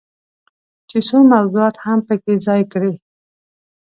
چې څو موضوعات هم پکې ځای کړي.